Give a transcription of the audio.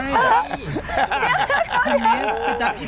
ใครที่มันซับสกัด